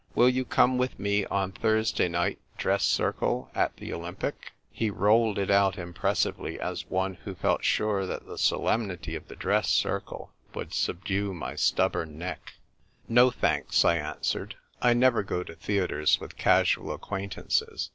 Will you come with me on Thursday night, dress circle, at the Olympic ?" He rolled it out impressively, as one who felt sure that the solemnity of the dress circle would subdue my stubborn neck. 134 THE TYPE WRITER GIRL. " No, thanks," I answered ;" I never go to theatres with casual acquaintances."